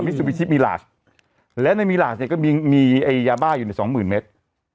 มิสุบิชิปมีราชและในมีราชเนี่ยก็มีมีไอยาบ้าอยู่ในสองหมื่นเมตร